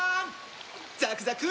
ザクザク！